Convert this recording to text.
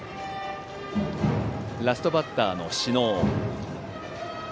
ラストバッターの小竹。